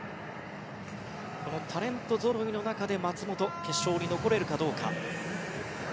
このタレントぞろいの中で松元、決勝に残れるかどうか。